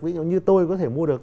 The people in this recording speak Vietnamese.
ví dụ như tôi có thể mua được